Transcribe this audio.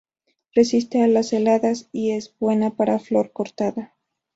Resiste a las heladas y es buena para flor cortada.